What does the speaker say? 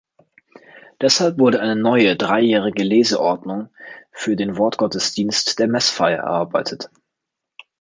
Deshalb wurde eine neue, dreijährige Leseordnung für den Wortgottesdienst der Messfeier erarbeitet.